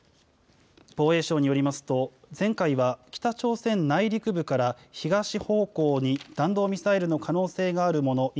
防衛省によりますと前回は北朝鮮内陸部から東方向に弾道ミサイルの可能性があるもの